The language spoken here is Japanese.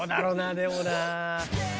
でもな」